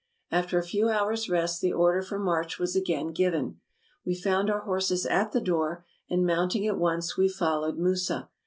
After a few hours' rest the order for march was again given. We found our horses at the door, and mounting at once, we followed Musa.